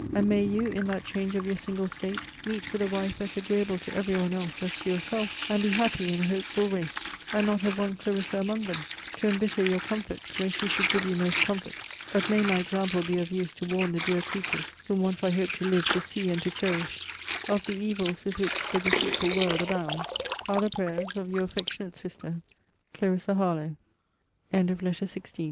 And may you, in that change of your single state, meet with a wife as agreeable to every one else as to yourself, and be happy in a hopeful race, and not have one Clarissa among them, to embitter your comforts when she should give you most comfort! But may my example be of use to warn the dear creatures whom once I hoped to live to see and to cherish, of the evils with which the deceitful world abounds! are the prayers of Your affectionate sister, CL. HARLOWE. LETTER XVII TO MISS HARLOW